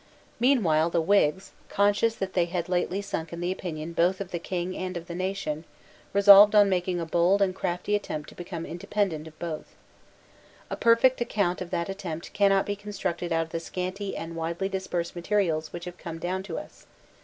Meanwhile the Whigs, conscious that they had lately sunk in the opinion both of the King and of the nation, resolved on making a bold and crafty attempt to become independent of both. A perfect account of that attempt cannot be constructed out of the scanty and widely dispersed materials which have come down to us.